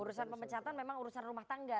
urusan pemecatan memang urusan rumah tangga